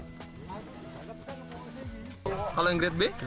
kalau yang grade b